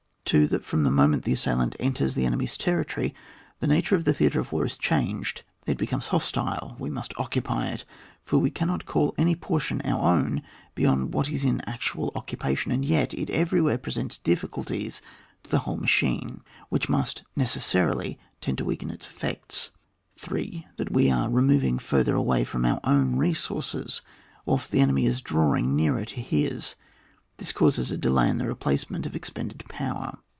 2. That from the moment the assailant enters the enemy's territory, the nature of the theatre of war is changed ; it becomes hostile ; we must occupy it, for we cannot call any portion our own beyond what is in actual occupation, and yet it everywhere presents ditficulties to the whole machine, which must neces sarily tend to weaken its effects. 8. That we are removing further away from our resources, whilst the enemy is drawing nearer to his; this causes a delay in the replacement of expended power.